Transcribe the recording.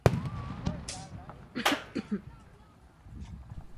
Psal také německy.